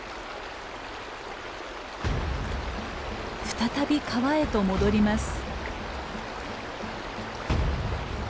再び川へと戻ります。